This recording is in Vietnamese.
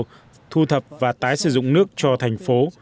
hệ thống này có tên là ecoducto thu thập và tái sử dụng nước cho thành phố